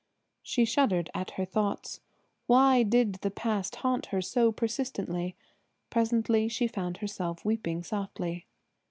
She shuddered at her thoughts. Why did the past haunt her so persistently? Presently she found herself weeping softly.